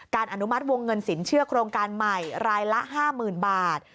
อนุมัติวงเงินสินเชื่อโครงการใหม่รายละ๕๐๐๐บาท